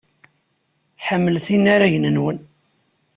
Ḥemmlet inaragen-nwen.